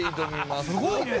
すごいね！